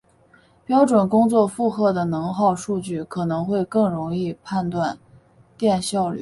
标准工作负荷的能耗数据可能会更容易判断电效率。